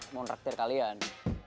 mau nraktir kalian